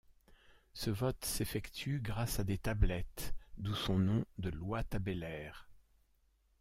Ce vote s'effectue grâce à des tablettes d'où son nom de loi tabellaire.